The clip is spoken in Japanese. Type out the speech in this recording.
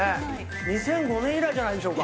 ２００５年以来じゃないでしょうか。